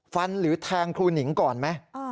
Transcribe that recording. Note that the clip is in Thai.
หรือแทงครูหนิงก่อนไหม